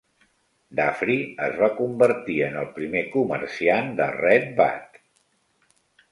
Dufree es va convertir en el primer comerciant de Red Bud.